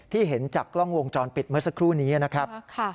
เห็นจากกล้องวงจรปิดเมื่อสักครู่นี้นะครับ